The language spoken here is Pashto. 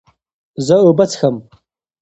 زه اوبه څښم.